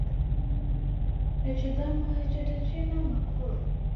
Ekigambo ekyo tekirina makulu.